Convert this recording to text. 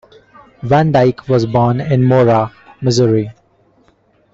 Van Dyke was born in Mora, Missouri.